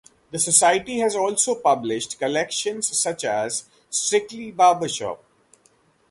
The society has also published collections such as "Strictly Barbershop".